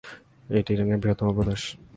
এটি ইরানের বৃহত্তম প্রদেশ।